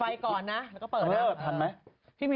ปิดไฟก่อนนะแล้วก็เปิดนะ